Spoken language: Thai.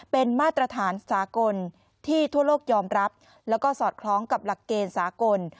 เป็นมาตรฐานสากลที่ทั่วโลกยอมรับแล้วก็สอดคล้องกับหลักเกณฑ์สากล